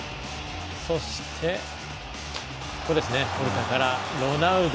そして、オルタからロナウド。